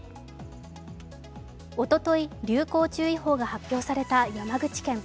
おととい、流行注意報が発表された山口県。